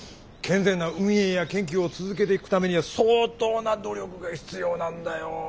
健全な運営や研究を続けていくためには相当な努力が必要なんだよ。